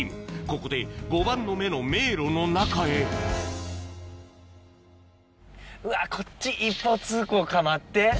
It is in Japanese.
ここで碁盤の目の迷路の中へうわこっち一方通行か待って。